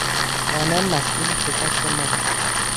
آنان مسئول شکست ما هستند.